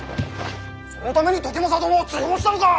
そのために時政殿を追放したのか！